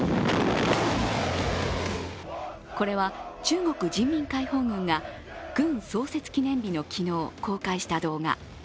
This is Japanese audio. これは、中国人民解放軍が軍創設記念日の昨日、公開した動画。